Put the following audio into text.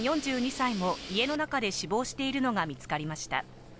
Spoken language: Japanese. ４２歳も家の中で死亡しているのが見つかりました。